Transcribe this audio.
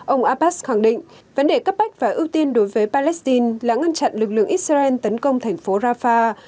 ông abbas khẳng định vấn đề cấp bách và ưu tiên đối với palestine là ngăn chặn lực lượng israel tấn công thành phố rafah